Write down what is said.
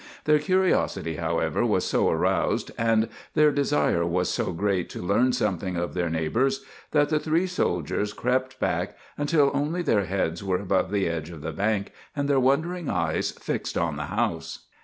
Their curiosity, however, was so roused, and their desire was so great to learn something of their neighbors, that the three soldiers crept back until only their heads were above the edge of the bank, and their wondering eyes fixed on the house.